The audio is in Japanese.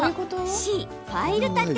Ｃ・ファイル立て。